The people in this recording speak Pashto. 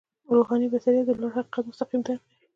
روحاني بصیرت د لوړ حقیقت مستقیم درک دی.